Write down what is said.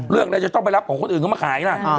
เรื่องอะไรจะต้องไปรับของคนอื่นเข้ามาขายล่ะ